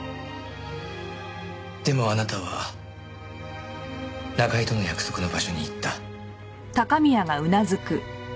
でもあなたは中居との約束の場所に行った。